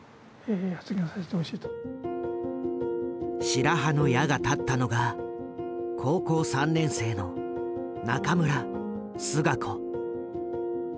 白羽の矢が立ったのが高校３年生の仲村清子。